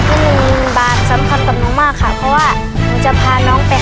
วันนี้บาทสำคัญกับน้องมากค่ะ